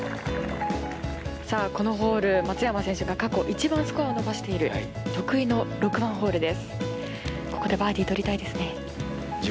このホール松山選手が過去一番スコアを伸ばしている得意の６番ホールです。